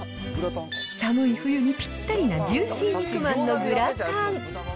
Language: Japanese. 寒い冬にぴったりなジューシー肉まんのグラタン。